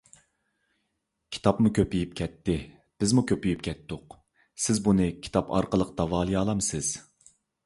_ كىتابمۇ كۆپىيىپ كەتتى، بىزمۇ كۆپىيىپ كەتتۇق. سىز بۇنى كىتاب ئارقىلىق داۋالىيالامسىز؟